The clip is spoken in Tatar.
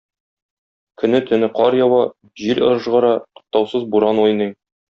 Көне-төне кар ява, җил ыжгыра, туктаусыз буран уйный...